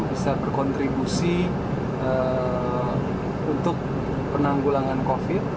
bisa berkontribusi untuk penanggulangan covid sembilan belas